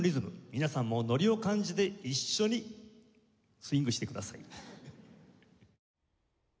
皆さんもノリを感じて一緒にスウィングしてください。